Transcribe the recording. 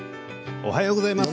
おはようございます。